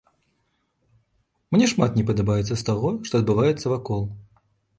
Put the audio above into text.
Мне шмат не падабаецца з таго, што адбываецца вакол.